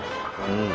うん。